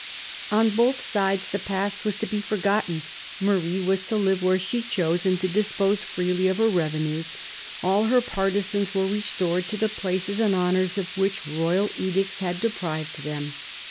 On both sides the past was to be forgotten ; Marie was to live where she chose and to dispose freely of her revenues ; all her partisans were restored to the places and honours of which royal edicts had deprived 'them.